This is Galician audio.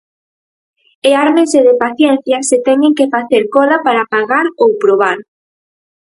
E ármense de paciencia se teñen que facer cola para pagar ou probar.